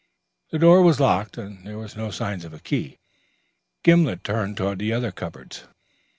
The door was locked and there was no sign of a key. Gimblet turned to the other cupboards.